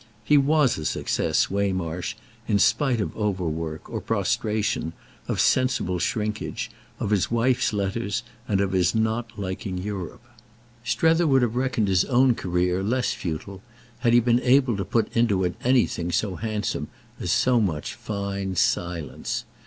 He was a success, Waymarsh, in spite of overwork, or prostration, of sensible shrinkage, of his wife's letters and of his not liking Europe. Strether would have reckoned his own career less futile had he been able to put into it anything so handsome as so much fine silence.